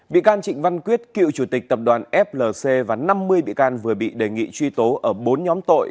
bị can trịnh văn quyết cựu chủ tịch tập đoàn flc và năm mươi bị can vừa bị đề nghị truy tố ở bốn nhóm tội